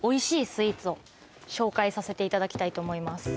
スイーツを紹介させていただきたいと思います